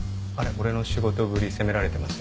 俺の仕事ぶり責められてます？